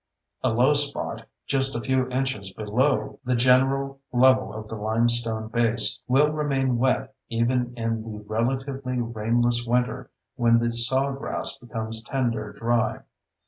A low spot—just a few inches below the general level of the limestone base—will remain wet even in the relatively rainless winter when the sawgrass becomes tinder dry.